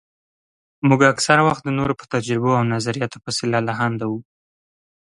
موږ اکثره وخت د نورو په تجربو او نظرياتو پسې لالهانده وو.